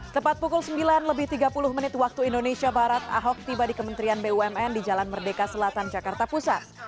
tepat pukul sembilan lebih tiga puluh menit waktu indonesia barat ahok tiba di kementerian bumn di jalan merdeka selatan jakarta pusat